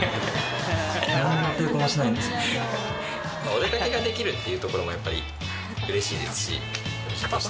お出掛けができるっていうところもやっぱりうれしいですし。